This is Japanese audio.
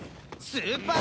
「スーパー！」